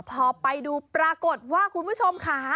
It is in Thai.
พอไปดูปรากฏว่าคุณผู้ชมค่ะ